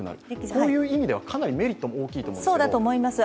こういう意味ではかなりメリットも大きいと思います。